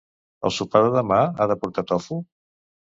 El sopar de demà ha de portar tofu?